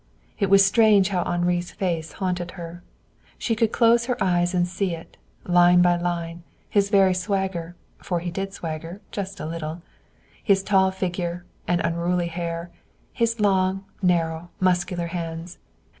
It was strange how Henri's face haunted her. She could close her eyes and see it, line by line, his very swagger for he did swagger, just a little; his tall figure and unruly hair; his long, narrow, muscular hands.